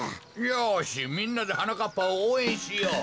よしみんなではなかっぱをおうえんしよう。